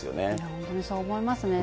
本当にそう思いますね。